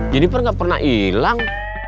jeniper nggak pernah hilang